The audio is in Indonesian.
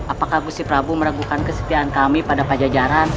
apakah gusi prabu meragukan kesetiaan kami pada pajajaran